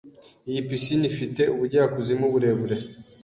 Iyi piscine ifite ubujyakuzimu burebure